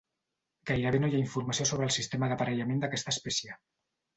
Gairebé no hi ha informació sobre el sistema d'aparellament d'aquesta espècie.